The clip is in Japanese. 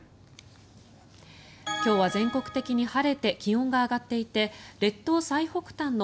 今日は全国的に晴れて気温が上がっていて列島最北端の